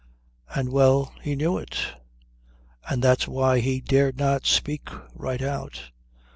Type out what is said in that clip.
And well he knew it; and that's why he dared not speak right out.